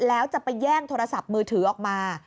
แล้วจะไปแย่งโทรศัพท์มือถือออกมา